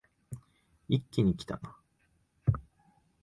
一気にきたな